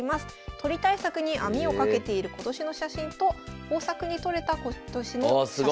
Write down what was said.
鳥対策に網を掛けている今年の写真と豊作に採れた今年の写真でございますと。